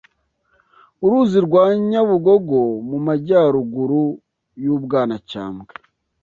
uruzi rwa Nyabugogo mu majyaruguru y’u Bwanacyambwe